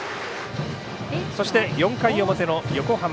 そして４回表の横浜。